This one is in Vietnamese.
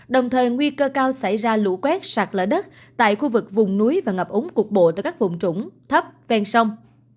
đồng thời nguy cơ cao xảy ra lũ quét sạc lở đất tại khu vực vùng núi và ngập ống cuộc bộ từ các vùng trũng thấp ven sông